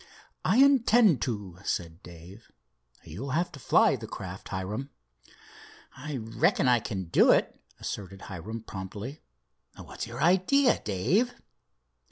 "I intend to," said Dave. "You'll have to fly the craft, Hiram." "I reckon I can do it," asserted Hiram promptly. "What's your idea, Dave?"